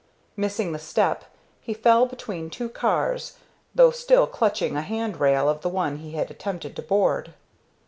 Missing the step, he fell between two cars, though still clutching a hand rail of the one he had attempted to board.